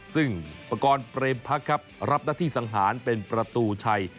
ซึ่งประกอบเปรมพักครับรับหน้าที่สังหารเป็นประตูชัย